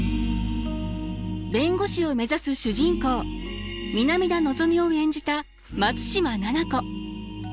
弁護士を目指す主人公南田のぞみを演じた松嶋菜々子。